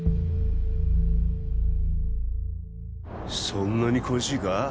そんなに恋しいか？